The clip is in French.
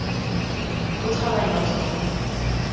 Au travail maintenant !